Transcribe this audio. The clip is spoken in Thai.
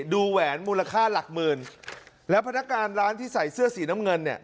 แหวนมูลค่าหลักหมื่นแล้วพนักงานร้านที่ใส่เสื้อสีน้ำเงินเนี่ย